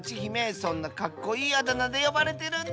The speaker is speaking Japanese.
そんなかっこいいあだなでよばれてるんだ！